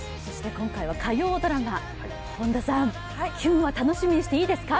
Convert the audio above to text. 今回は火曜ドラマ、本田さん、キュンは楽しみにしていいですか。